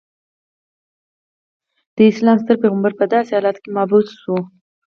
د اسلام ستر پیغمبر په داسې حالاتو کې مبعوث شو.